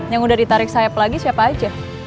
yang udah ditarik sayap lagi siapa aja